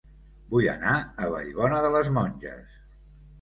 Vull anar a Vallbona de les Monges